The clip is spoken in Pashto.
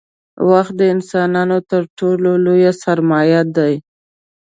• وخت د انسانانو تر ټولو لوی سرمایه دی.